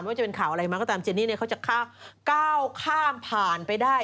ว่าจะเป็นข่าวอะไรมาก็ตามเจนี่เขาจะก้าวข้ามผ่านไปได้